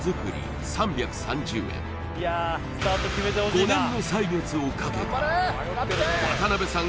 ５年の歳月をかけた渡部さん